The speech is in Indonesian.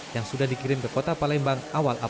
yang sudah dikirim ke kota palembang